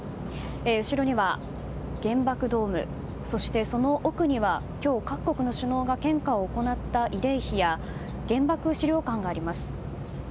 後ろには原爆ドームそして、その奥には今日各国の首脳が献花を行った慰霊碑や原爆資料館があります。